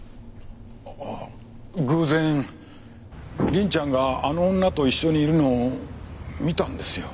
ああ偶然凛ちゃんがあの女と一緒にいるのを見たんですよ。